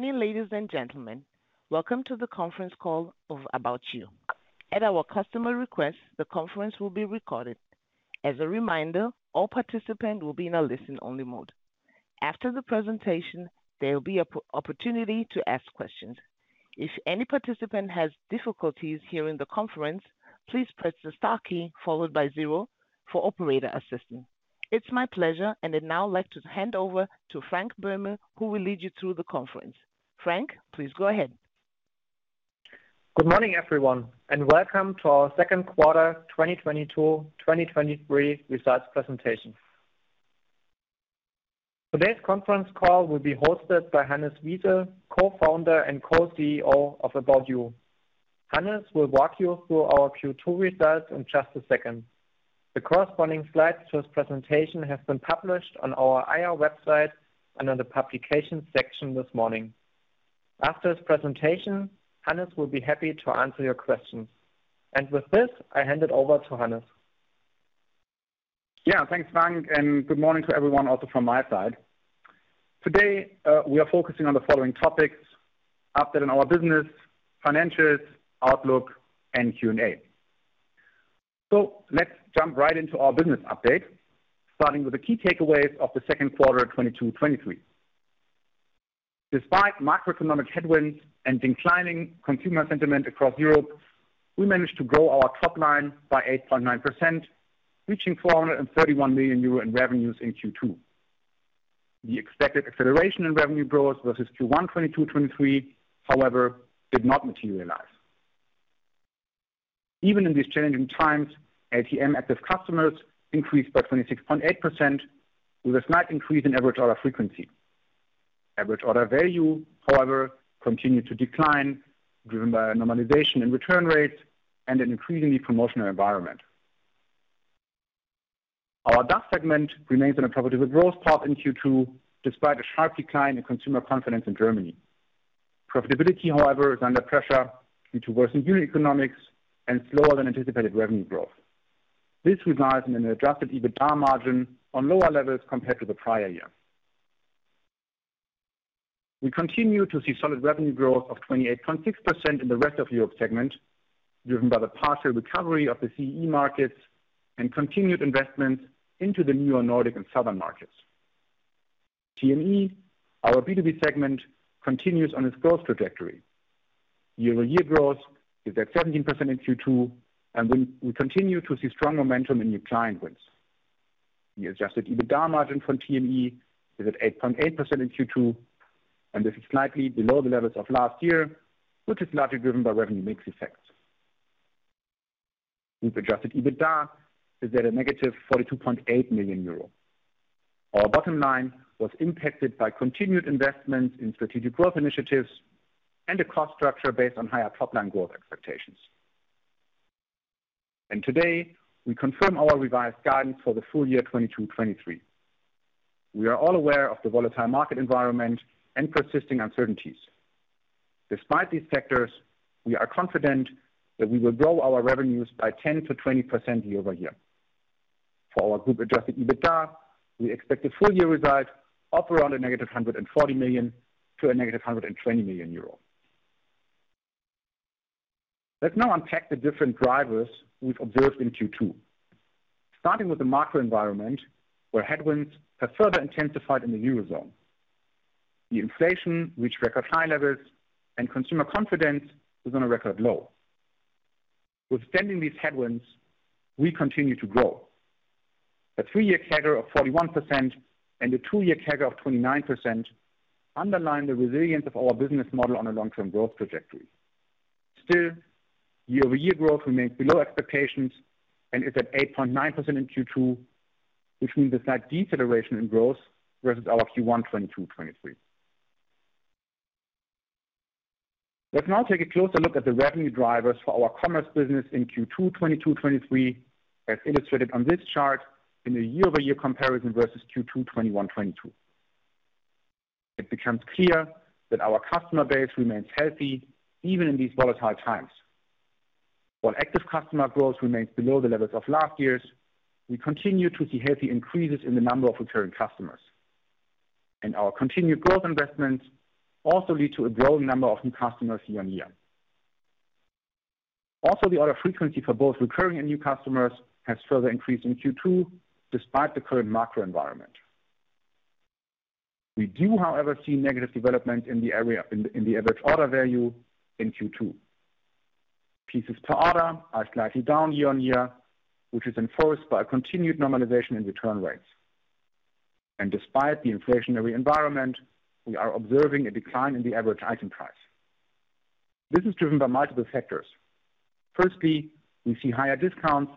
Morning, ladies and gentlemen. Welcome to the Conference Call of About You. At our customer request, the conference will be recorded. As a reminder, all participants will be in a listen-only mode. After the presentation, there will be opportunity to ask questions. If any participant has difficulties hearing the conference, Please Press the star key followed by zero for operator assistance. It's my pleasure and I'd now like to hand over to Frank Böhme, who will lead you through the conference. Frank, please go ahead. Good morning, everyone, and welcome to our second quarter 2022/2023 results presentation. Today's conference call will be hosted by Hannes Wiese, Co-Founder and Co-CEO of About You. Hannes will walk you through our Q2 results in just a second. The corresponding slides to his presentation have been published on our IR website and on the publication section this morning. After his presentation, Hannes will be happy to answer your questions. With this, I hand it over to Hannes. Yeah. Thanks, Frank, and good morning to everyone also from my side. Today, we are focusing on the following topics. Update on our business, financials, outlook, and Q&A. Let's jump right into our business update, starting with the key takeaways of the second quarter of 2022-2023. Despite macroeconomic headwinds and declining consumer sentiment across Europe, we managed to grow our top line by 8.9%, reaching 431 million euro in revenues in Q2. The expected acceleration in revenue growth versus Q1 2022-2023, however, did not materialize. Even in these challenging times, ATM active customers increased by 26.8% with a slight increase in average order frequency. Average order value, however, continued to decline, driven by a normalization in return rates and an increasingly promotional environment. Our DACH segment remains on a profitable growth path in Q2, despite a sharp decline in consumer confidence in Germany. Profitability, however, is under pressure due to worsening unit economics and slower than anticipated revenue growth. This results in an adjusted EBITDA margin on lower levels compared to the prior year. We continue to see solid revenue growth of 28.6% in the rest of Europe segment, driven by the partial recovery of the CE markets and continued investments into the Neo Nordic and Southern markets. TME, our B2B segment, continues on its growth trajectory. Year-over-year growth is at 17% in Q2, and we continue to see strong momentum in new client wins. The adjusted EBITDA margin from TME is at 8.8% in Q2, and this is slightly below the levels of last year, which is largely driven by revenue mix effects. Group-adjusted EBITDA is at negative 42.8 million euro. Our bottom line was impacted by continued investments in strategic growth initiatives and a cost structure based on higher top line growth expectations. Today, we confirm our revised guidance for the full year 2022-2023. We are all aware of the volatile market environment and persisting uncertainties. Despite these factors, we are confident that we will grow our revenues by 10%-20% year-over-year. For our group-adjusted EBITDA, we expect the full year result up around negative 140 million to negative 120 million euro. Let's now unpack the different drivers we've observed in Q2. Starting with the macro environment, where headwinds have further intensified in the Eurozone. The inflation, with record high levels, and consumer confidence is on a record low. Withstanding these headwinds, we continue to grow. A two year CAGR of 41% and a two year CAGR of 29% underline the resilience of our business model on a long-term growth trajectory. Still, year-over-year growth remains below expectations and is at 8.9% in Q2, which means a slight deceleration in growth versus our Q1 2022/23. Let's now take a closer look at the revenue drivers for our commerce business in Q2 2022/23, as illustrated on this chart in a year-over-year comparison versus Q2 2021/22. It becomes clear that our customer base remains healthy even in these volatile times. While active customer growth remains below the levels of last year's, we continue to see healthy increases in the number of recurring customers. Our continued growth investments also lead to a growing number of new customers year-over-year. Also, the order frequency for both recurring and new customers has further increased in Q2 despite the current macro environment. We do, however, see negative development in the average order value in Q2. Pieces per order are slightly down year-on-year, which is enforced by a continued normalization in return rates. Despite the inflationary environment, we are observing a decline in the average item price. This is driven by multiple factors. Firstly, we see higher discounts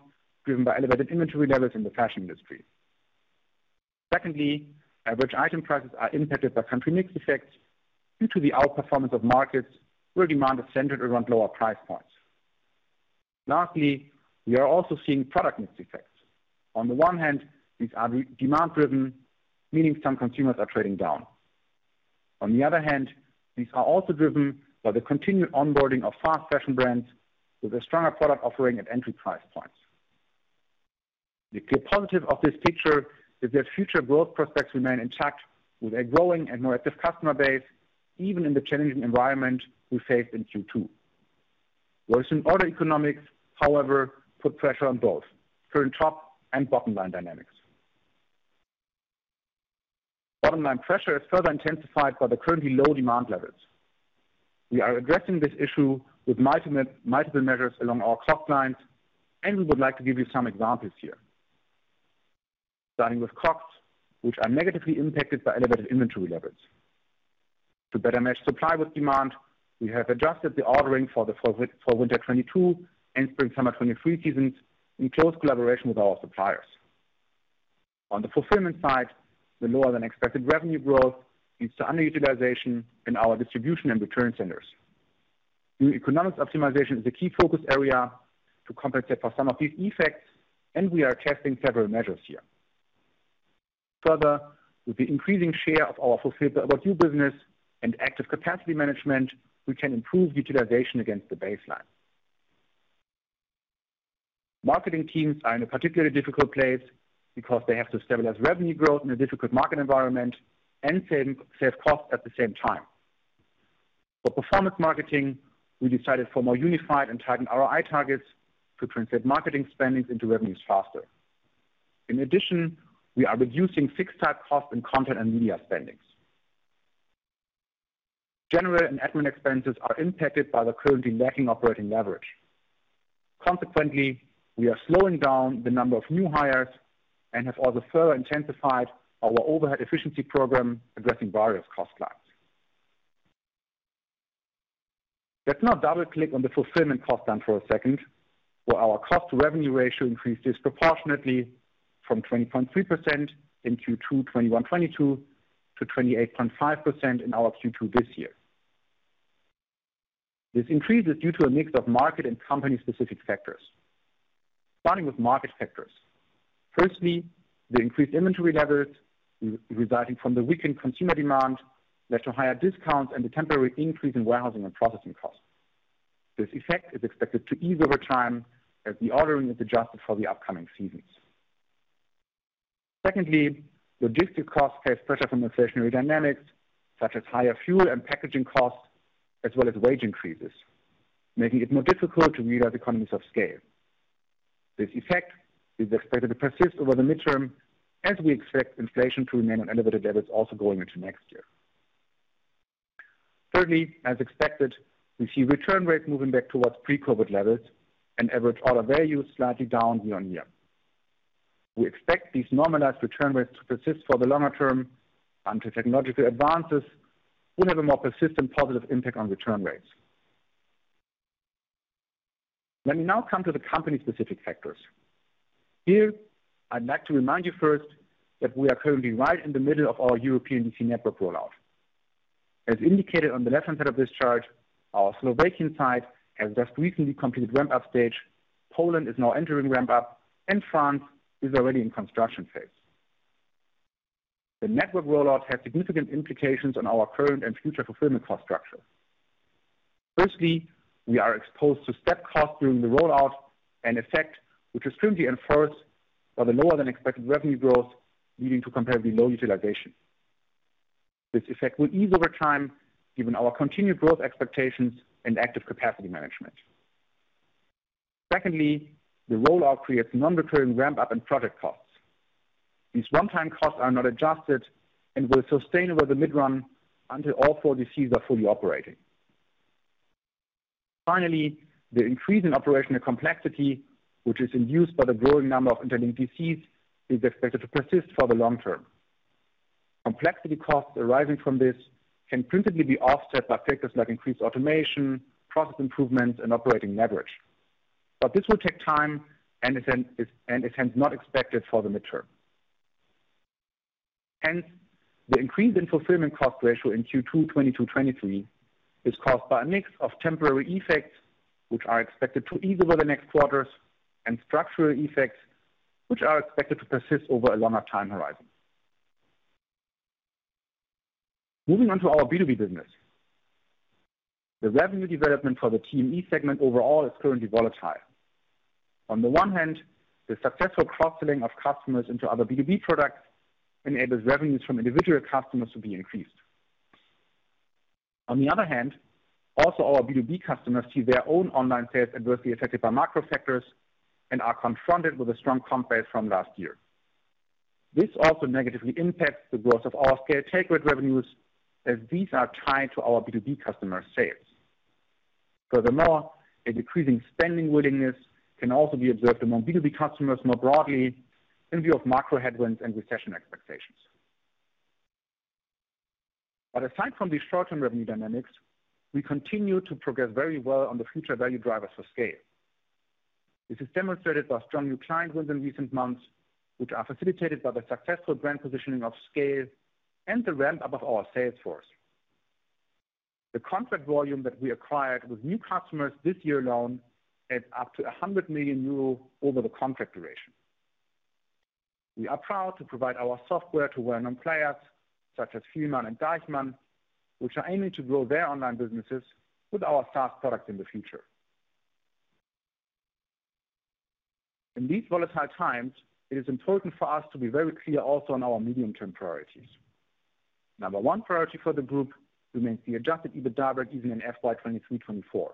driven by elevated inventory levels in the fashion industry. Secondly, average item prices are impacted by country mix effects due to the outperformance of markets where demand is centered around lower price points. Lastly, we are also seeing product mix effects. On the one hand, these are demand driven, meaning some consumers are trading down. On the other hand, these are also driven by the continued onboarding of fast fashion brands with a stronger product offering at entry price points. The clear positive of this picture is that future growth prospects remain intact with a growing and more active customer base, even in the challenging environment we faced in Q2. Worse order economics, however, put pressure on both current top and bottom line dynamics. Bottom line pressure is further intensified by the currently low demand levels. We are addressing this issue with multiple measures along our COGS lines, and we would like to give you some examples here. Starting with COGS, which are negatively impacted by elevated inventory levels. To better match supply with demand, we have adjusted the ordering for winter 2022 and spring/summer 2023 seasons in close collaboration with our suppliers. On the fulfillment side, the lower than expected revenue growth leads to underutilization in our distribution and return centers. Unit economics optimization is a key focus area to compensate for some of these effects, and we are testing several measures here. Further, with the increasing share of our fulfilled About You business and active capacity management, we can improve utilization against the baseline. Marketing teams are in a particularly difficult place because they have to stabilize revenue growth in a difficult market environment and save costs at the same time. For performance marketing, we decided for more unified and tightened ROI targets to translate marketing spendings into revenues faster. In addition, we are reducing fixed IT costs and content and media spendings. General and admin expenses are impacted by the currently lacking operating leverage. Consequently, we are slowing down the number of new hires and have also further intensified our overhead efficiency program addressing various cost cuts. Let's now double-click on the fulfillment costs down for a second, where our cost-to-revenue ratio increased disproportionately from 20.3% in Q2 21/22 to 28.5% in our Q2 this year. This increase is due to a mix of market and company-specific factors. Starting with market factors. Firstly, the increased inventory levels resulting from the weakened consumer demand led to higher discounts and a temporary increase in warehousing and processing costs. This effect is expected to ease over time as the ordering is adjusted for the upcoming seasons. Secondly, logistics costs face pressure from inflationary dynamics such as higher fuel and packaging costs, as well as wage increases, making it more difficult to realize economies of scale. This effect is expected to persist over the midterm as we expect inflation to remain on elevated levels also going into next year. Thirdly, as expected, we see return rates moving back towards pre-COVID levels and average order values slightly down year-on-year. We expect these normalized return rates to persist for the longer term until technological advances will have a more persistent positive impact on return rates. Let me now come to the company specific factors. Here, I'd like to remind you first that we are currently right in the middle of our European DC network rollout. As indicated on the left-hand side of this chart, our Slovak site has just recently completed ramp-up stage. Poland is now entering ramp-up, and France is already in construction phase. The network rollout has significant implications on our current and future fulfillment cost structure. Firstly, we are exposed to step costs during the rollout and effect, which is currently evidenced by the lower than expected revenue growth, leading to comparatively low utilization. This effect will ease over time given our continued growth expectations and active capacity management. Secondly, the rollout creates non-recurring ramp-up and project costs. These one-time costs are not adjusted and will sustain over the mid-term until all four DCs are fully operating. Finally, the increase in operational complexity, which is induced by the growing number of internal DCs, is expected to persist for the long term. Complexity costs arising from this can principally be offset by factors like increased automation, process improvements, and operating leverage. This will take time and is hence not expected for the mid-term. Hence, the increase in fulfillmaused by a mix of temporary effects, which are expected to ease over the next quarters, and structural effects, which are expected to persist over a longer time horizon. Moving on to our B2B business. The revent cost ratio in Q2 2022/2023 is cenue development for the TME segment overall is currently volatile. On the one hand, the successful cross-selling of customers into other B2B products enables revenues from individual customers to be increased. On the other hand, also our B2B customers see their own online sales adversely affected by macro factors and are confronted with a strong comp base from last year. This also negatively impacts the growth of our SCAYLE take rate revenues, as these are tied to our B2B customer sales. Furthermore, a decreasing spending willingness can also be observed among B2B customers more broadly in view of macro headwinds and recession expectations. Aside from these short-term revenue dynamics, we continue to progress very well on the future value drivers for SCAYLE. This is demonstrated by strong new client wins in recent months, which are facilitated by the successful brand positioning of SCAYLE and the ramp-up of our sales force. The contract volume that we acquired with new customers this year alone adds up to 100 million euro over the contract duration. We are proud to provide our software to well-known players such as Puma and Deichmann, which are aiming to grow their online businesses with our SaaS products in the future. In these volatile times, it is important for us to be very clear also on our medium-term priorities. Number one priority for the group remains the adjusted EBITDA break even in FY 2023, 2024.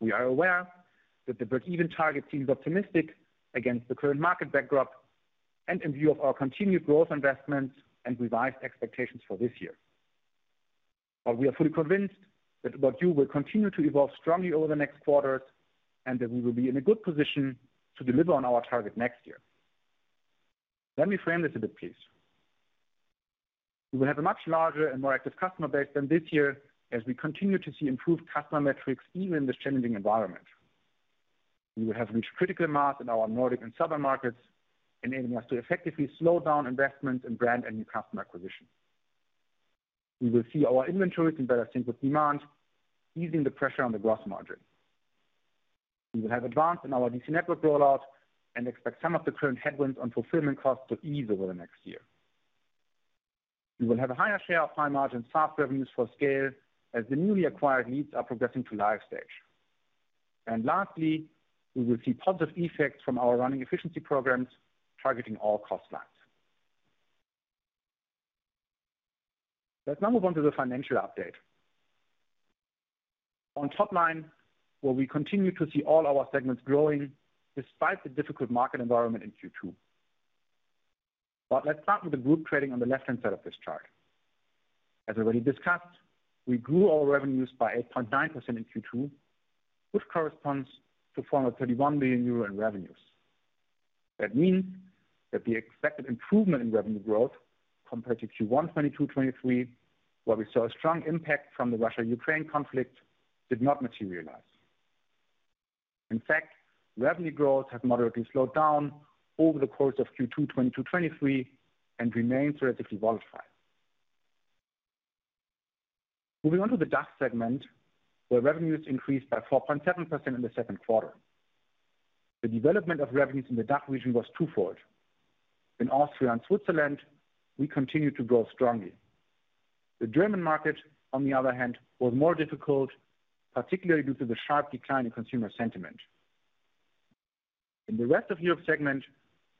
We are aware that the break-even target seems optimistic against the current market backdrop and in view of our continued growth investments and revised expectations for this year. We are fully convinced that About You will continue to evolve strongly over the next quarters and that we will be in a good position to deliver on our target next year. Let me frame this a bit, please. We will have a much larger and more active customer base than this year as we continue to see improved customer metrics even in this challenging environment. We will have reached critical mass in our Nordic and southern markets, enabling us to effectively slow down investment in brand and new customer acquisition. We will see our inventories in better sync with demand, easing the pressure on the gross margin. We will have advanced in our DC network rollout and expect some of the current headwinds on fulfillment costs to ease over the next year. We will have a higher share of high-margin SaaS revenues from SCAYLE as the newly acquired needs are progressing to live stage. Lastly, we will see positive effects from our running efficiency programs targeting all cost lines. Let's now move on to the financial update. On top line, where we continue to see all our segments growing despite the difficult market environment in Q2. Let's start with the group trading on the left-hand side of this chart. As already discussed, we grew our revenues by 8.9% in Q2, which corresponds to 431 million euro in revenues. That means that the expected improvement in revenue growth compared to Q1 2022/23, where we saw a strong impact from the Russia-Ukraine conflict, did not materialize. In fact, revenue growth has moderately slowed down over the course of Q2 2022/23 and remains relatively volatile. Moving on to the DACH segment, where revenues increased by 4.7% in the second quarter. The development of revenues in the DACH region was twofold. In Austria and Switzerland, we continued to grow strongly. The German market, on the other hand, was more difficult, particularly due to the sharp decline in consumer sentiment. In the rest of Europe segment,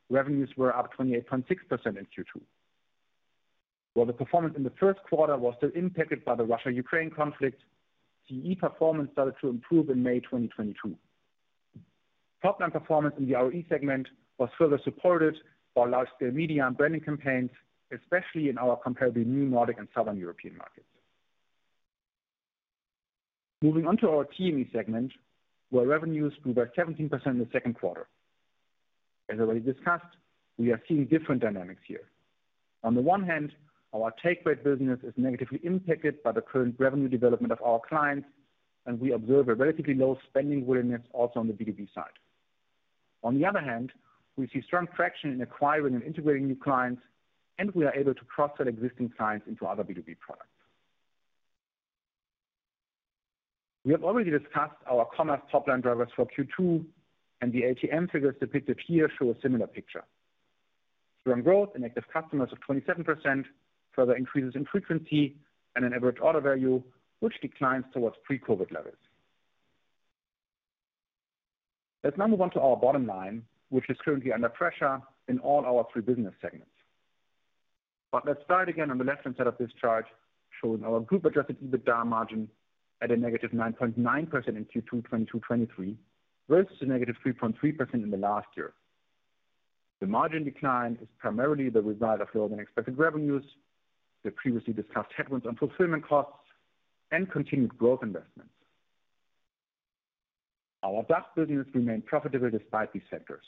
revenues were up 28.6% in Q2. While the performance in the first quarter was still impacted by the Russia-Ukraine conflict, CE performance started to improve in May 2022. Top-line performance in the ROE segment was further supported by large-scale media and branding campaigns, especially in our comparatively new Nordic and Southern European markets. Moving on to our TME segment, where revenues grew by 17% in the second quarter. As already discussed, we are seeing different dynamics here. On the one hand, our take rate business is negatively impacted by the current revenue development of our clients, and we observe a relatively low spending willingness also on the B2B side. On the other hand, we see strong traction in acquiring and integrating new clients, and we are able to cross-sell existing clients into other B2B products. We have already discussed our commerce top line drivers for Q2, and the ATM figures depicted here show a similar picture. Strong growth in active customers of 27%, further increases in frequency and an average order value, which declines towards pre-COVID levels. Let's now move on to our bottom line, which is currently under pressure in all our three business segments. Let's start again on the left-hand side of this chart, showing our group adjusted EBITDA margin at -9.9% in Q2 2022/23 versus -3.3% in the last year. The margin decline is primarily the result of lower-than-expected revenues, the previously discussed headwinds on fulfillment costs, and continued growth investments. Our DACH business remained profitable despite these factors,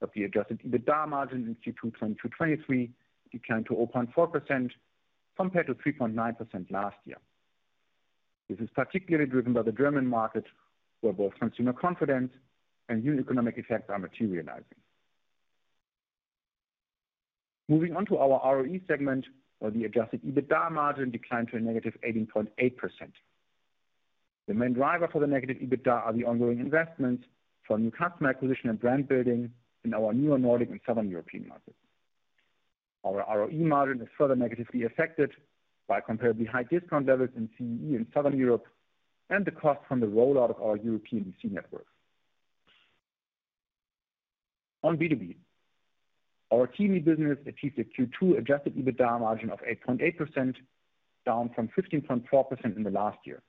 but the adjusted EBITDA margin in Q2 2022/23 declined to 0.4% compared to 3.9% last year. This is particularly driven by the German market, where both consumer confidence and new economic effects are materializing. Moving on to our ROE segment, where the adjusted EBITDA margin declined to a negative 18.8%. The main driver for the negative EBITDA are the ongoing investments for new customer acquisition and brand building in our newer Nordic and Southern European markets. Our ROE margin is further negatively affected by comparatively high discount levels in CEE and Southern Europe and the cost from the rollout of our European DC network. On B2B, our TME business achieved a Q2 adjusted EBITDA margin of 8.8%, down from 15.4% in the last year.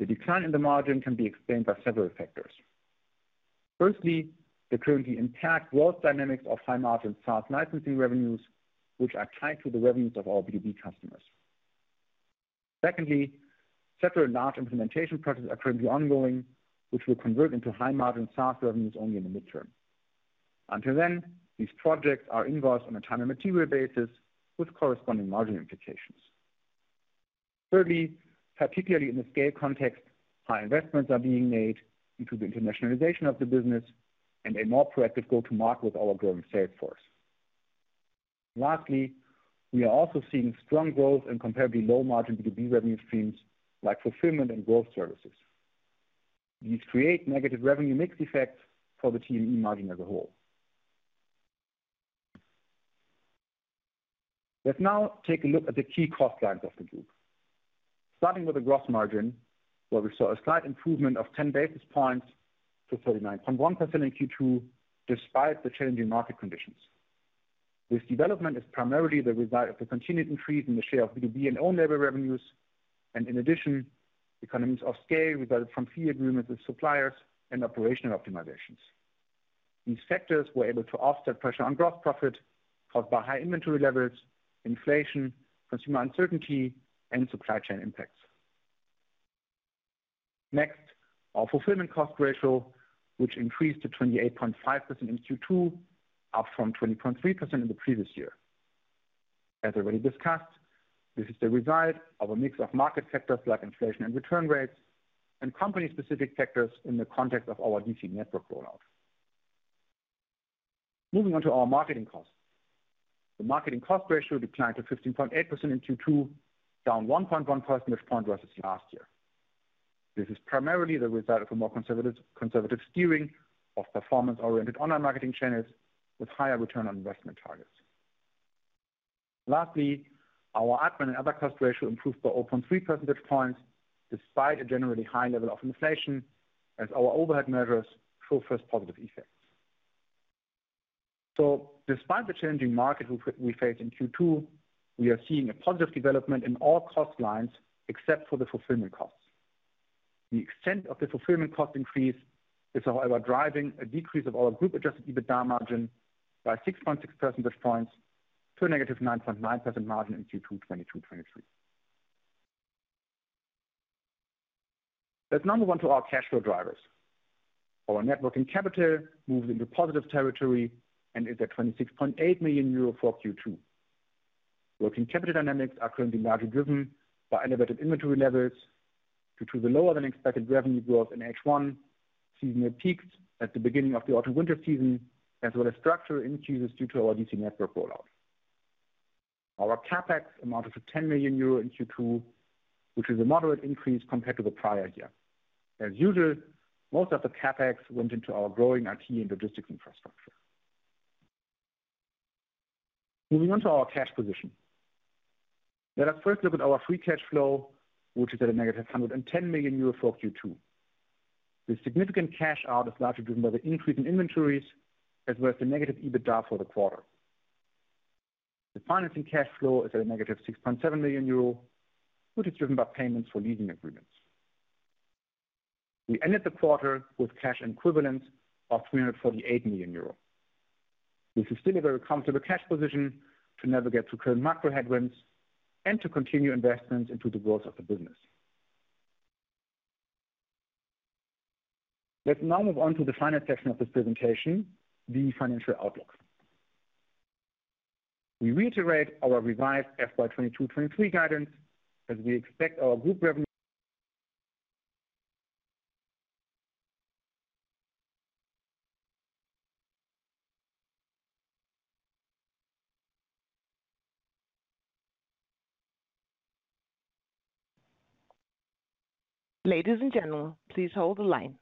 The decline in the margin can be explained by several factors. Firstly, the currently intact growth dynamics of high-margin SaaS licensing revenues, which are tied to the revenues of our B2B customers. Secondly, several large implementation projects are currently ongoing, which will convert into high-margin SaaS revenues only in the midterm. Until then, these projects are invoiced on a time and material basis with corresponding margin implications. Thirdly, particularly in the SCAYLE context, high investments are being made into the internationalization of the business and a more proactive go-to-market with our growing sales force. Lastly, we are also seeing strong growth in comparatively low margin B2B revenue streams like fulfillment and growth services. These create negative revenue mix effects for the TME margin as a whole. Let's now take a look at the key cost lines of the group. Starting with the gross margin, where we saw a slight improvement of 10 basis points to 39.1% in Q2 despite the challenging market conditions. This development is primarily the result of the continued increase in the share of B2B and own label revenues, and in addition, economies of scale resulted from fee agreements with suppliers and operational optimizations. These factors were able to offset pressure on gross profit caused by high inventory levels, inflation, consumer uncertainty, and supply chain impacts. Next, our fulfillment cost ratio, which increased to 28.5% in Q2, up from 20.3% in the previous year. As already discussed, this is the result of a mix of market factors like inflation and return rates and company specific factors in the context of our DC network rollout. Moving on to our marketing costs. The marketing cost ratio declined to 15.8% in Q2, down 1.1 percentage points versus last year. This is primarily the result of a more conservative steering of performance-oriented online marketing channels with higher return on investment targets. Lastly, our admin and other cost ratio improved by 0.3 percentage points despite a generally high level of inflation as our overhead measures show first positive effects. Despite the challenging market we faced in Q2, we are seeing a positive development in all cost lines except for the fulfillment costs. The extent of the fulfillment cost increase is however driving a decrease of our group adjusted EBITDA margin by 6.6 percentage points to a negative 9.9% margin in Q2 2022/2023. Let's now move on to our cash flow drivers. Our net working capital moved into positive territory and is at 26.8 million euro for Q2. Working capital dynamics are currently largely driven by elevated inventory levels due to the lower than expected revenue growth in H1, seasonal peaks at the beginning of the autumn/winter season, as well as structural increases due to our DC network rollout. Our CapEx amounted to 10 million euro in Q2, which is a moderate increase compared to the prior year. As usual, most of the CapEx went into our growing IT and logistics infrastructure. Moving on to our cash position. Let us first look at our free cash flow, which is at -110 million euro for Q2. The significant cash outflow is largely driven by the increase in inventories as well as the negative EBITDA for the quarter. The financing cash flow is at -6.7 million euro, which is driven by payments for leasing agreements. We ended the quarter with cash equivalents of 348 million euros, which is still a very comfortable cash position to navigate through current macro headwinds and to continue investments into the growth of the business. Let's now move on to the final section of this presentation, the financial outlook. We reiterate our revised FY 2022/2023 guidance as we expect our group revenue. Ladies and gentlemen, please hold the line.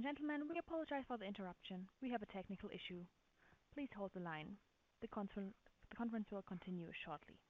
Ladies and gentlemen, we apologize for the interruption. We have a technical issue. Please hold the line. The conference will continue shortly.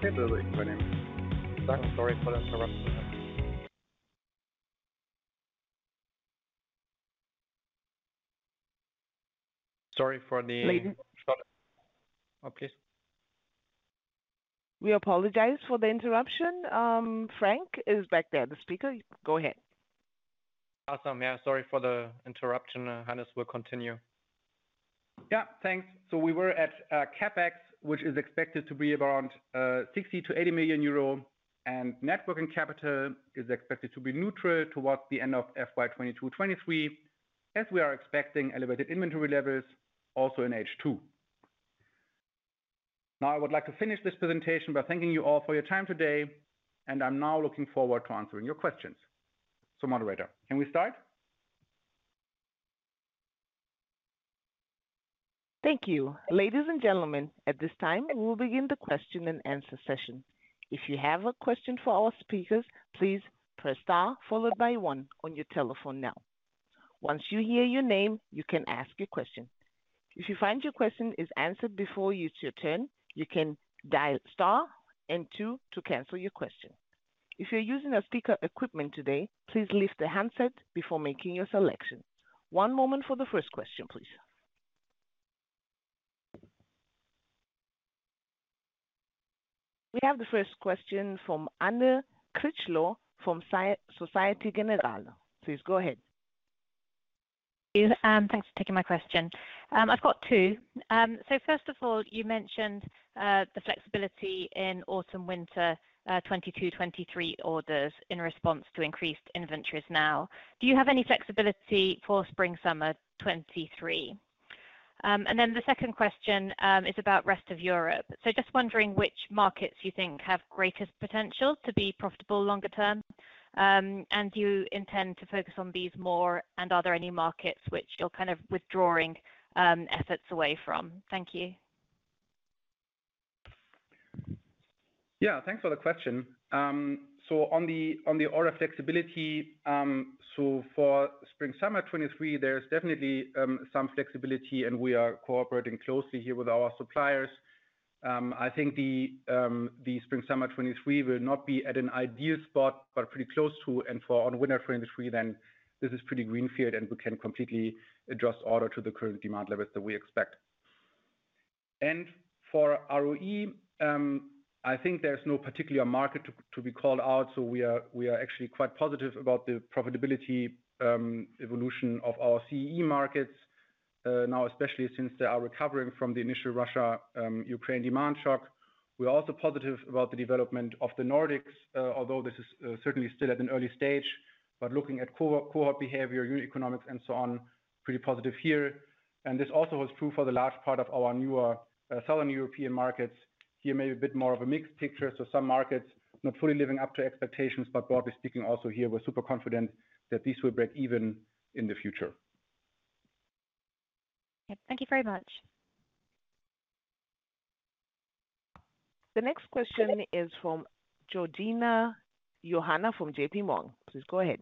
Sorry for the interruption. Sorry for the- Ladies Oh, please. We apologize for the interruption. Frank is back there, the speaker. Go ahead. Awesome. Yeah, sorry for the interruption. Hannes will continue. Yeah, thanks. We were at CapEx, which is expected to be around 60 million-80 million euro. Net working capital is expected to be neutral towards the end of FY 2022/2023, as we are expecting elevated inventory levels also in H2. Now, I would like to finish this presentation by thanking you all for your time today, and I'm now looking forward to answering your questions. Moderator, can we start? Thank you. Ladies and gentlemen, at this time we will begin the question and answer session. If you have a question for our speakers, please Press Star followed by One on your telephone now. Once you hear your name, you can ask your question. If you find your question is answered before it's your turn, you can dial Star and two to cancel your question. If you're using a speaker equipment today, please lift the handset before making your selection. One moment for the first question, please. We have the first question from Anne Critchlow from Societe Generale. Please go ahead. Thanks for taking my question. I've got two. First of all, you mentioned the flexibility in autumn/winter 2022/2023 orders in response to increased inventories now. Do you have any flexibility for spring/summer 2023? Then the second question is about rest of Europe. Just wondering which markets you think have greatest potential to be profitable longer term, and do you intend to focus on these more, and are there any markets which you're kind of withdrawing efforts away from? Thank you. Yeah, thanks for the question. So on the order flexibility, so for spring/summer 2023, there's definitely some flexibility and we are cooperating closely here with our suppliers. I think the spring/summer 2023 will not be at an ideal spot, but pretty close to and for on winter 2023 then this is pretty green field and we can completely adjust order to the current demand levels that we expect. For ROE, I think there's no particular market to be called out, so we are actually quite positive about the profitability evolution of our CEE markets, now especially since they are recovering from the initial Russia Ukraine demand shock. We're also positive about the development of the Nordics, although this is certainly still at an early stage. Looking at cohort behavior, unit economics and so on, pretty positive here. This also holds true for the large part of our newer, Southern European markets. Here may be a bit more of a mixed picture, so some markets not fully living up to expectations, but broadly speaking also here we're super confident that this will break even in the future. Yep. Thank you very much. The next question is from Georgina Johanan from J.P. Morgan. Please go ahead.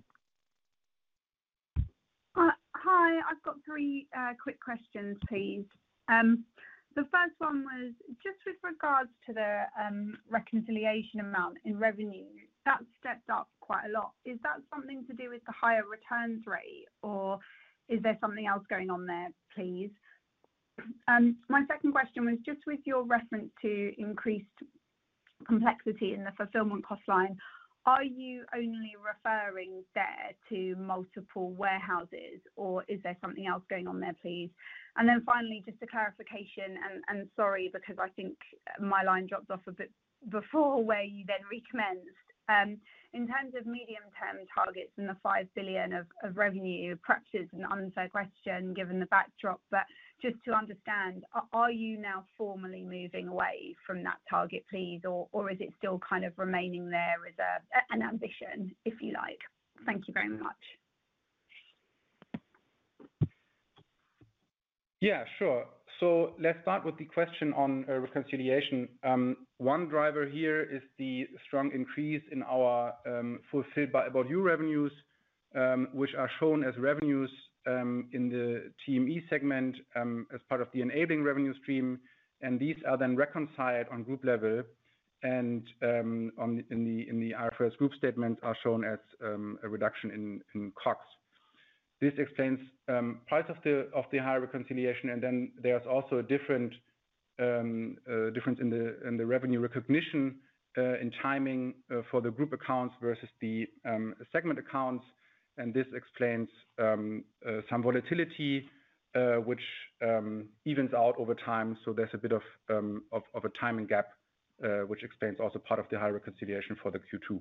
Hi. I've got three quick questions, please. The first one was just with regards to the reconciliation amount in revenue. That's stepped up quite a lot. Is that something to do with the higher returns rate or is there something else going on there, please? My second question was just with your reference to increased complexity in the fulfillment cost line. Are you only referring there to multiple warehouses or is there something else going on there, please? Finally, just a clarification and sorry because I think my line dropped off a bit before where you then recommenced. In terms of medium-term targets and the 5 billion of revenue, perhaps it's an unfair question given the backdrop, but just to understand, are you now formally moving away from that target, please? Is it still kind of remaining there as an ambition, if you like? Thank you very much. Yeah, sure. Let's start with the question on reconciliation. One driver here is the strong increase in our Fulfilled by About You revenues, which are shown as revenues in the TME segment, as part of the enabling revenue stream, and these are then reconciled on group level and in the IFRS group statement are shown as a reduction in COGS. This explains part of the high reconciliation. Then there's also a difference in the revenue recognition in timing for the group accounts versus the segment accounts. This explains some volatility, which evens out over time. There's a bit of a timing gap, which explains also part of the high reconciliation for the Q2.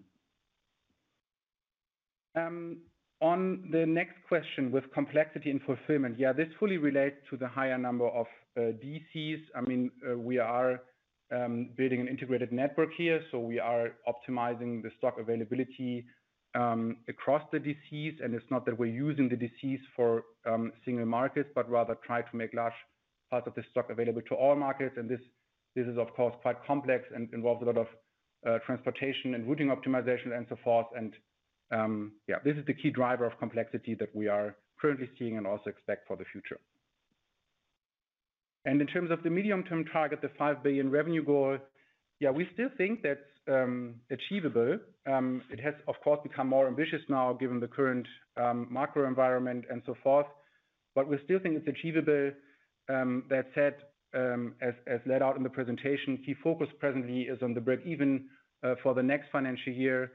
On the next question with complexity and fulfillment. Yeah, this fully relates to the higher number of DCs. I mean, we are building an integrated network here, so we are optimizing the stock availability across the DCs, and it's not that we're using the DCs for single markets, but rather try to make large parts of the stock available to all markets. This is of course quite complex and involves a lot of transportation and routing optimization and so forth. Yeah, this is the key driver of complexity that we are currently seeing and also expect for the future. In terms of the medium-term target, the 5 billion revenue goal, yeah, we still think that's achievable. It has of course become more ambitious now given the current macro environment and so forth, but we still think it's achievable. That said, as laid out in the presentation, key focus presently is on the breakeven for the next financial year.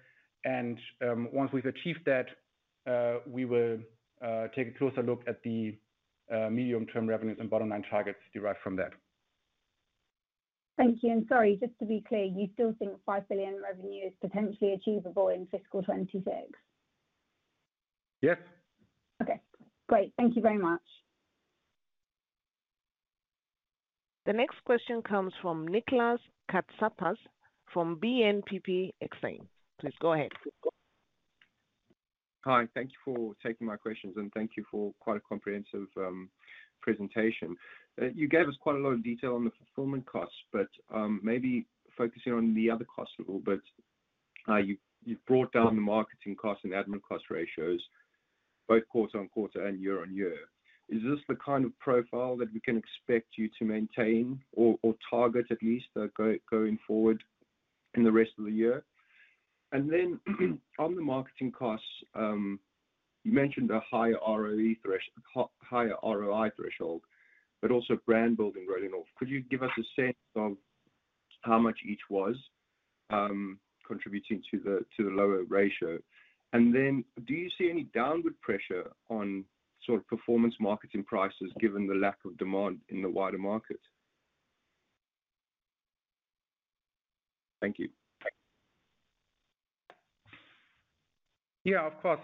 Once we've achieved that, we will take a closer look at the medium-term revenues and bottom line targets derived from that. Thank you. Sorry, just to be clear, you still think 5 billion revenue is potentially achievable in fiscal 2026? Yes. Okay, great. Thank you very much. The next question comes from Nicolas Katsapas from BNP Paribas Exane. Please go ahead. Hi, thank you for taking my questions, and thank you for quite a comprehensive presentation. You gave us quite a lot of detail on the fulfillment costs, but maybe focusing on the other costs a little bit. You've brought down the marketing costs and admin cost ratios both quarter-on-quarter and year-on-year. Is this the kind of profile that we can expect you to maintain or target at least going forward in the rest of the year? Then on the marketing costs, you mentioned a higher ROI threshold, but also brand building writing off. Could you give us a sense of how much each was contributing to the lower ratio? Do you see any downward pressure on sort of performance marketing prices given the lack of demand in the wider market? Thank you. Yeah, of course.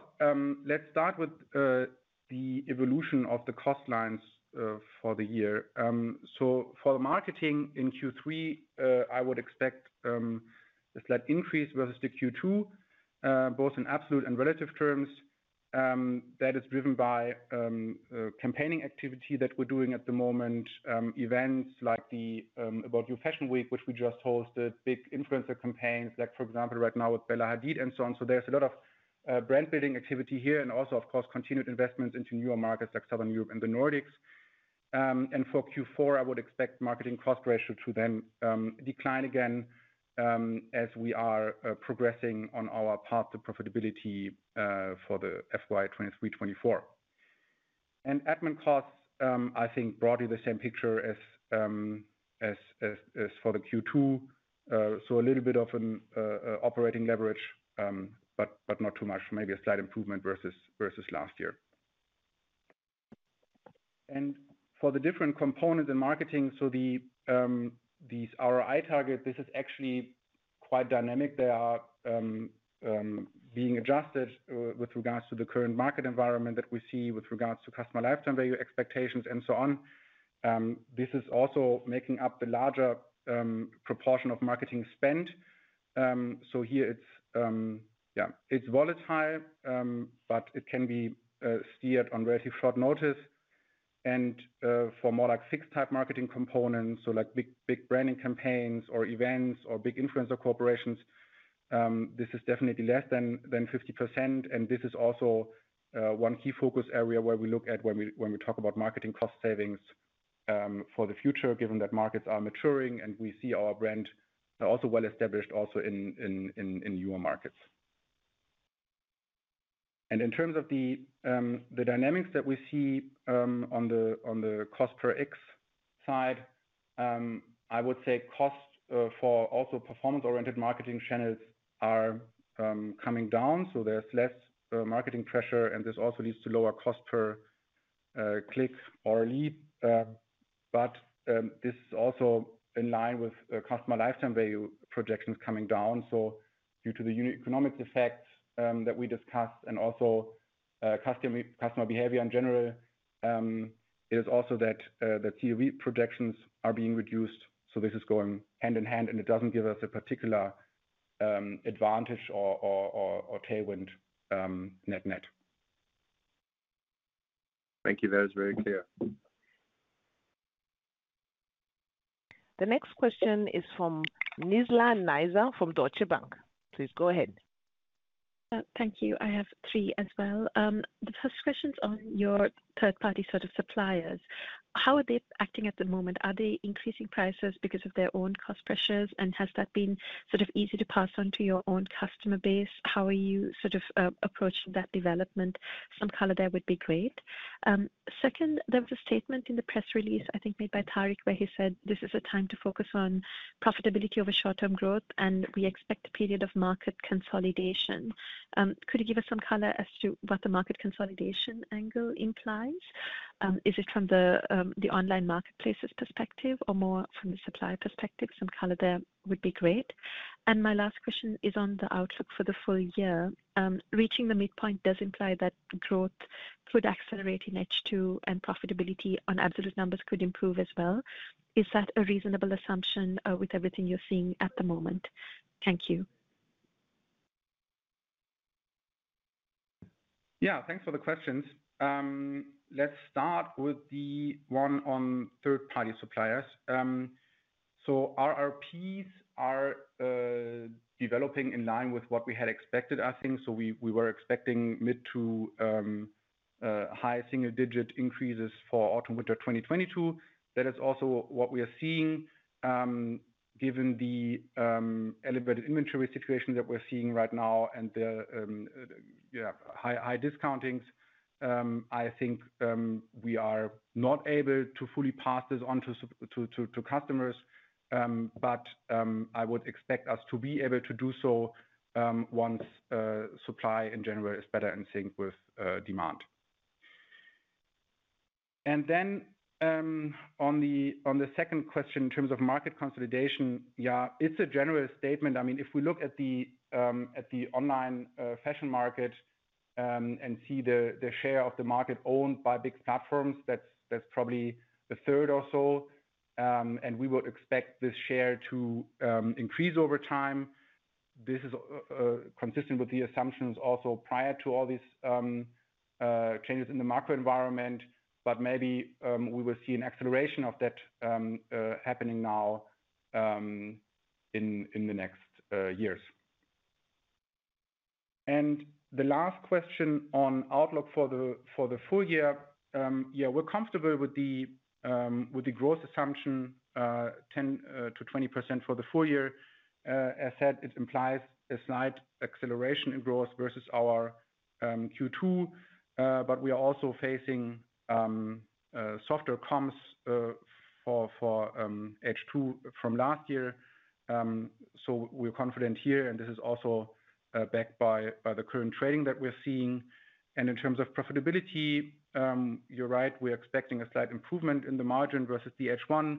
Let's start with the evolution of the cost lines for the year. For the marketing in Q3, I would expect a slight increase versus Q2 both in absolute and relative terms. That is driven by campaigning activity that we're doing at the moment. Events like the ABOUT YOU Fashion Week, which we just hosted, big influencer campaigns, like for example, right now with Bella Hadid and so on. There's a lot of brand building activity here and also of course continued investments into newer markets like Southern Europe and the Nordics. For Q4, I would expect marketing cost ratio to then decline again as we are progressing on our path to profitability for the FY 2023-2024. Admin costs, I think broadly the same picture as for the Q2. So a little bit of an operating leverage, but not too much. Maybe a slight improvement versus last year. For the different components in marketing, so the these ROI target, this is actually quite dynamic. They are being adjusted with regards to the current market environment that we see with regards to customer lifetime value expectations and so on. This is also making up the larger proportion of marketing spend. So here it's yeah, it's volatile, but it can be steered on very short notice. For more like fixed type marketing components, so like big branding campaigns or events or big influencer collaborations, this is definitely less than 50%. This is also one key focus area where we look at when we talk about marketing cost savings for the future, given that markets are maturing and we see our brand also well established in newer markets. In terms of the dynamics that we see on the cost per X side, I would say costs also for performance-oriented marketing channels are coming down, so there's less marketing pressure, and this also leads to lower cost per click or lead. This is also in line with customer lifetime value projections coming down. Due to the unit economics effects that we discussed and also customer behavior in general is also that the CLV projections are being reduced. this is going hand in hand, and it doesn't give us a particular, advantage or tailwind, net net. Thank you. That was very clear. The next question is from Nizla Naizer from Deutsche Bank. Please go ahead. Thank you. I have three as well. The first question's on your third-party sort of suppliers. How are they acting at the moment? Are they increasing prices because of their own cost pressures? Has that been sort of easy to pass on to your own customer base? How are you sort of approaching that development? Some color there would be great. Second, there was a statement in the press release, I think made by Tarek, where he said, "This is a time to focus on profitability over short-term growth, and we expect a period of market consolidation." Could you give us some color as to what the market consolidation angle implies? Is it from the online marketplaces perspective or more from the supplier perspective? Some color there would be great. My last question is on the outlook for the full year. Reaching the midpoint does imply that growth could accelerate in H2, and profitability on absolute numbers could improve as well. Is that a reasonable assumption, with everything you're seeing at the moment? Thank you. Yeah, thanks for the questions. Let's start with the one on third-party suppliers. Our RPs are developing in line with what we had expected, I think. We were expecting mid-to-high single-digit increases for autumn winter 2022. That is also what we are seeing, given the elevated inventory situation that we're seeing right now and the yeah, high discounting. I think we are not able to fully pass this on to customers. I would expect us to be able to do so once supply in general is better in sync with demand. On the second question in terms of market consolidation, yeah, it's a general statement. I mean, if we look at the online fashion market and see the share of the market owned by big platforms, that's probably a third or so. We would expect this share to increase over time. This is consistent with the assumptions also prior to all these changes in the macro environment. Maybe we will see an acceleration of that happening now in the next years. The last question on outlook for the full year. Yeah, we're comfortable with the growth assumption, 10%-20% for the full year. As said, it implies a slight acceleration in growth versus our Q2. We are also facing softer comps for H2 from last year. We're confident here, and this is also backed by the current trading that we're seeing. In terms of profitability, you're right, we are expecting a slight improvement in the margin versus the H1.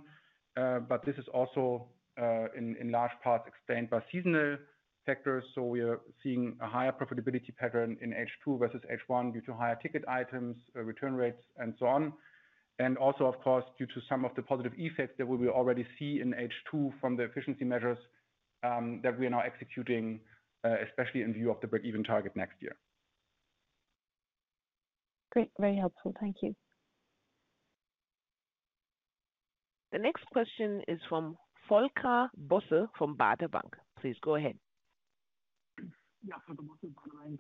This is also in large part explained by seasonal factors. We are seeing a higher profitability pattern in H2 versus H1 due to higher ticket items, return rates, and so on. Also, of course, due to some of the positive effects that we will already see in H2 from the efficiency measures that we are now executing, especially in view of the break-even target next year. Great. Very helpful. Thank you. The next question is from Volker Bosse from Baader Bank. Please go ahead. Yeah. Volker Bosse.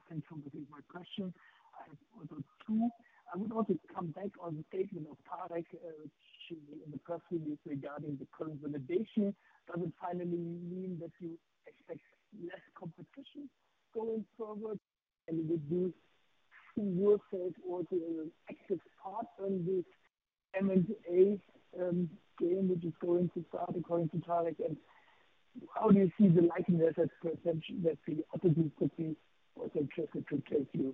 Thanks for taking my question. I have also two. I would also come back on the statement of Tarek, which in the press release regarding the current valuation. Does it finally mean that you expect less competition going forward and would this be worth it or to an active part in the M&A game, which is going to start according to Tarek? And how do you see the likelihood that, for example, the other groups would be interested to take you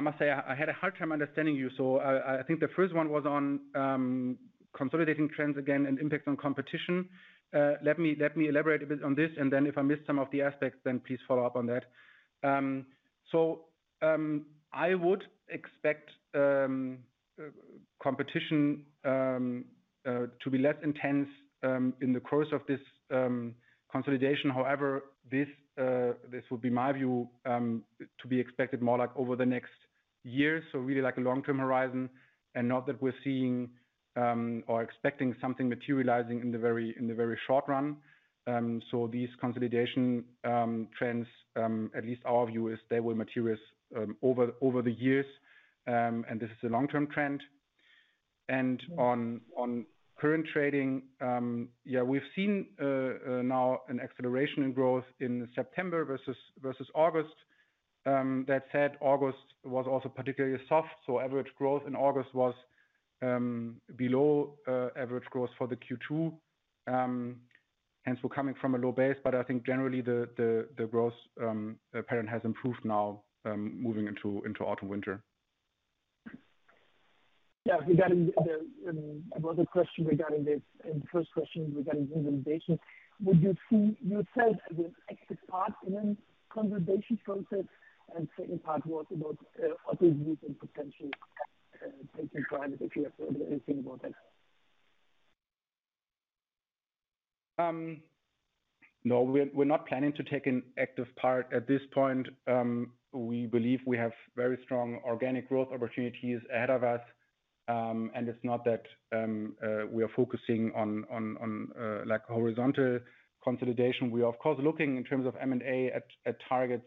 off the listings or take it private? Again, anything heard about that? And finally, also on current trading. I think September was quite favorable with regard to weather conditions getting colder this year. In Germany, does it help you and maybe are you able in September to continue to grow in Germany and, or that region and to continue to grow double digits in rest of Europe? Can you confirm that for September? Thank you. Yeah, thanks. I must say I had a hard time understanding you, so I think the first one was on consolidation trends again and impact on competition. Let me elaborate a bit on this, and then if I missed some of the aspects, then please follow up on that. I would expect competition to be less intense in the course of this consolidation. However, this would be my view to be expected more like over the next years. Really like a long-term horizon and not that we're seeing or expecting something materializing in the very short run. These consolidation trends, at least our view is they will materialize over the years. This is a long-term trend. On current trading, yeah, we've seen now an acceleration in growth in September versus August. That said, August was also particularly soft, so average growth in August was below average growth for the Q2. Hence we're coming from a low base. I think generally the growth pattern has improved now, moving into autumn, winter. Yeah. Regarding the other question regarding this and first question regarding consolidation, would you see yourself as an active part in the consolidation process? Second part was about other groups and potentially taking private, if you have anything about that. No, we're not planning to take an active part at this point. We believe we have very strong organic growth opportunities ahead of us. It's not that we are focusing on like horizontal consolidation. We are of course looking in terms of M&A at targets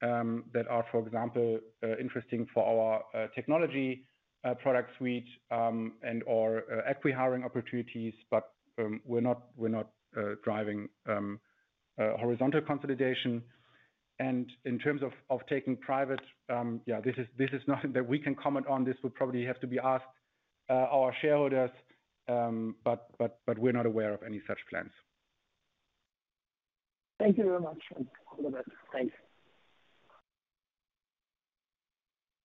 that are, for example, interesting for our technology product suite and/or acqui-hiring opportunities. We're not driving horizontal consolidation. In terms of taking private, yeah, this is nothing that we can comment on. This would probably have to be asked our shareholders, but we're not aware of any such plans. Thank you very much. Thanks.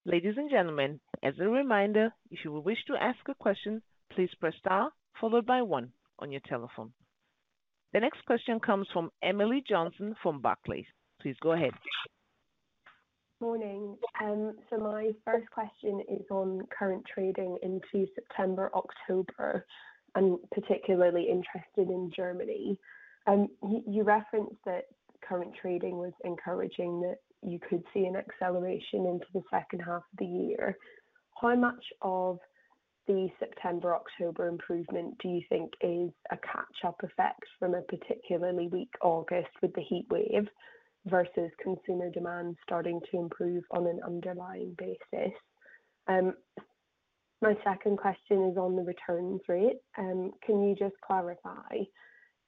Ladies and gentlemen, as a reminder, if you wish to ask a question, please press star followed by one on your telephone. The next question comes from Emily Johnson from Barclays. Please go ahead. Morning. My first question is on current trading into September, October. I'm particularly interested in Germany. You referenced that current trading was encouraging, that you could see an acceleration into the second half of the year. How much of the September, October improvement do you think is a catch-up effect from a particularly weak August with the heatwave versus consumer demand starting to improve on an underlying basis? My second question is on the returns rate. Can you just clarify,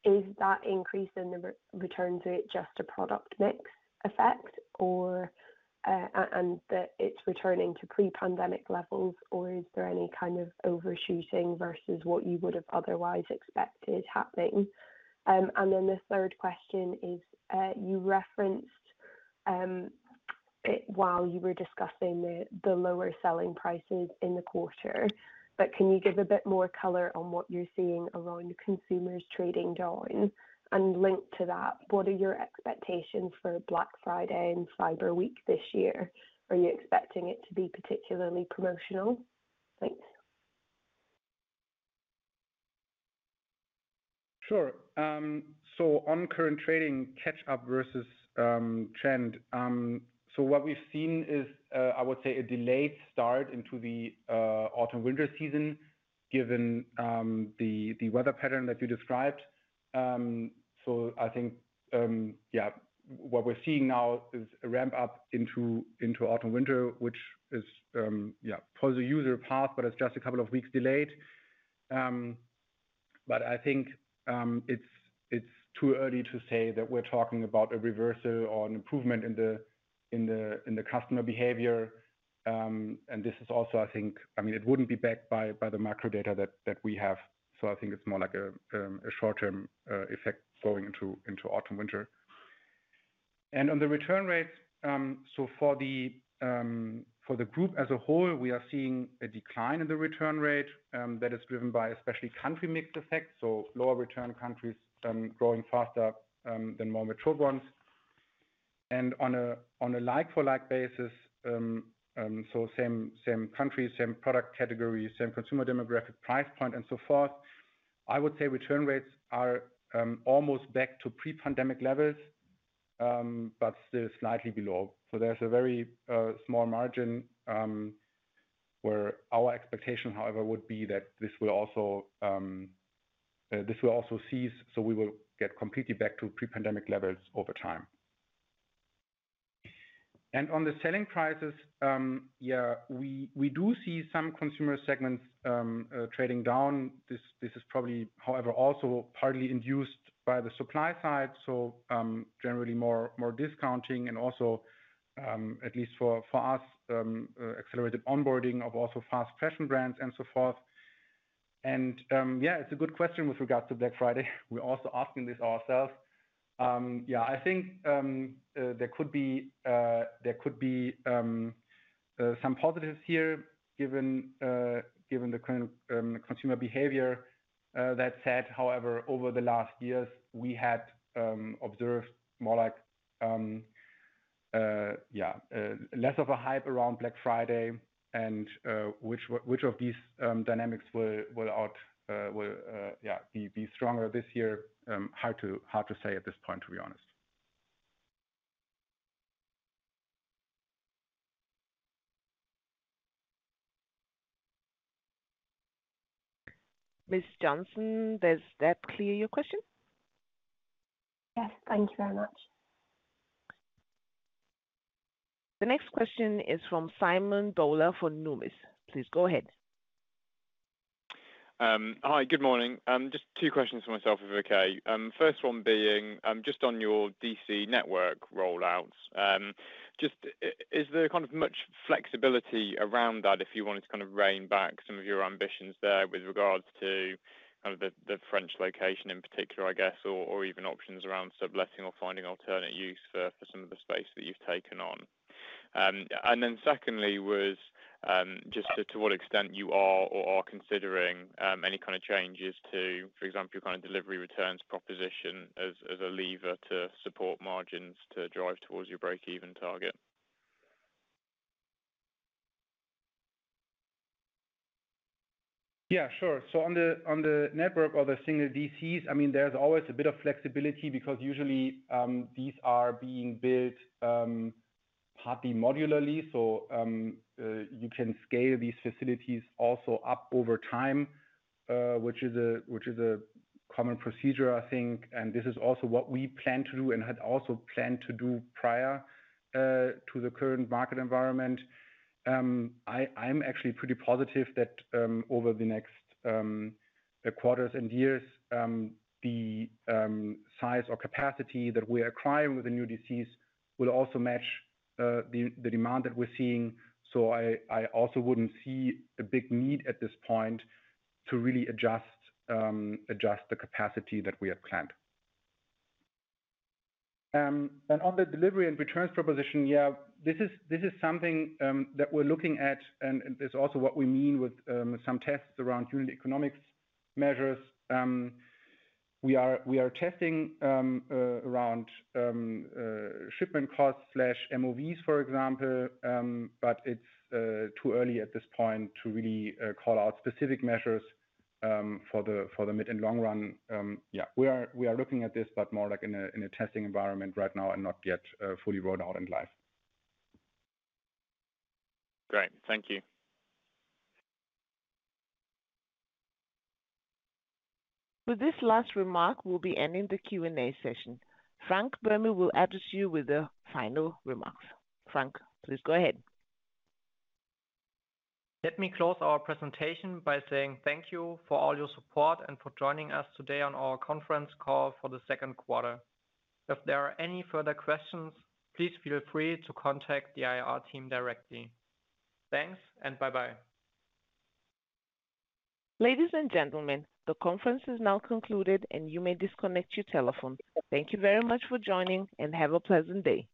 is that increase in the return rate just a product mix effect or, and that it's returning to pre-pandemic levels or is there any kind of overshooting versus what you would have otherwise expected happening? The third question is, you referenced it while you were discussing the lower selling prices in the quarter, but can you give a bit more color on what you're seeing around consumers trading down? Linked to that, what are your expectations for Black Friday and Cyber Week this year? Are you expecting it to be particularly promotional? Thanks. Sure. On current trading catch-up versus trend. What we've seen is, I would say a delayed start into the autumn/winter season, given the weather pattern that you described. I think, yeah, what we're seeing now is a ramp up into autumn/winter, which is, yeah, follows a usual path, but it's just a couple of weeks delayed. I think it's too early to say that we're talking about a reversal or an improvement in the customer behavior. This is also, I think, I mean it wouldn't be backed by the macro data that we have. I think it's more like a short-term effect going into autumn/winter. On the return rates, so for the group as a whole, we are seeing a decline in the return rate, that is driven by especially country mix effects, so lower return countries, growing faster, than more mature ones. On a like for like basis, so same country, same product category, same consumer demographic, price point and so forth, I would say return rates are almost back to pre-pandemic levels, but still slightly below. There's a very small margin, where our expectation, however, would be that this will also cease, so we will get completely back to pre-pandemic levels over time. On the selling prices, yeah, we do see some consumer segments, trading down. This is probably, however, also partly induced by the supply side. Generally more discounting and also, at least for us, accelerated onboarding of also fast fashion brands and so forth. It's a good question with regards to Black Friday. We're also asking this ourselves. I think there could be some positives here given the current consumer behavior. That said, however, over the last years, we had observed more like less of a hype around Black Friday and which of these dynamics will be stronger this year, hard to say at this point, to be honest. Ms. Johnson, does that clear your question? Yes. Thank you very much. The next question is from Simon Bowler for Numis. Please go ahead. Hi. Good morning. Just two questions from myself, if okay. First one being, just on your DC network rollouts, just is there kind of much flexibility around that if you wanted to kind of rein back some of your ambitions there with regards to the French location in particular, I guess, or even options around subletting or finding alternate use for some of the space that you've taken on? Secondly was, just to what extent you are considering any kind of changes to, for example, your kind of delivery returns proposition as a lever to support margins to drive towards your break-even target? Yeah, sure. On the network or the single DCs, I mean, there's always a bit of flexibility because usually these are being built partly modularly. You can scale these facilities up over time, which is a common procedure, I think, and this is also what we plan to do and had also planned to do prior to the current market environment. I'm actually pretty positive that over the next quarters and years, the size or capacity that we acquire with the new DCs will also match the demand that we're seeing. I also wouldn't see a big need at this point to really adjust the capacity that we had planned. On the delivery and returns proposition, yeah, this is something that we're looking at and it's also what we mean with some tests around unit economics measures. We are testing around shipment costs/MOVs, for example. It's too early at this point to really call out specific measures for the mid and long run. Yeah, we are looking at this, but more like in a testing environment right now and not yet fully rolled out and live. Great. Thank you. With this last remark, we'll be ending the Q&A session. Frank Böhme will address you with the final remarks. Frank, please go ahead. Let me close our presentation by saying thank you for all your support and for joining us today on our conference call for the second quarter. If there are any further questions, please feel free to contact the IR team directly. Thanks and bye-bye. Ladies and gentlemen, the conference is now concluded and you may disconnect your telephone. Thank you very much for joining and have a pleasant day. Goodbye.